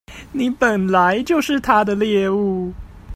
你本來就是他的獵物